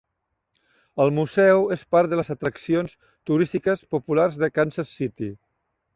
El museu es part de les atraccions turístiques populars de Kansas City.